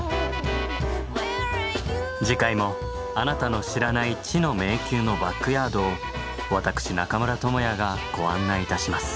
次回もあなたの知らない「知の迷宮のバックヤード」を私中村倫也がご案内いたします。